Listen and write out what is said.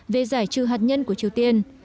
về giải trừ hạt nhân của triều tiên